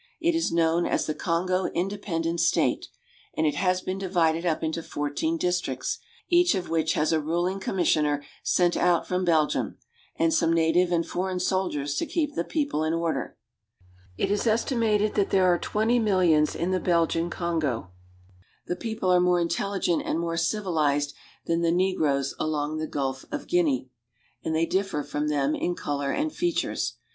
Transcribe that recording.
It is known as the Kongo Independent State; and it has been divided up into fmirteen districts, each of which has a ruling commissioner sent out from Belgium, and some native and foreign soldiers to keep the people in order. It is estimated that there are thirty millions in the Kongo State, and that more than fifty millions live in the great Kongo basin. The people are more intelligent and more civilized than the negroes along the Gulf of Guinea, ani^ THE KONGO AND ITS BASTN 229 they differ from them in color and features.